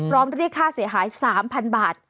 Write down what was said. ร้องตัวเที่ยวค่าเสียหาย๓๐๐๐บาท